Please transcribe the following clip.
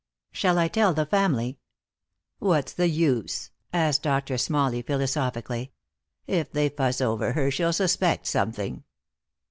"Shall I tell the family?" "What's the use?" asked Doctor Smalley, philosophically. "If they fuss over her she'll suspect something."